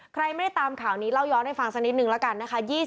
ใครไม่ได้ตามข่าวนี้เล่าย้อนให้ฟังสักนิดนึงละกันนะคะ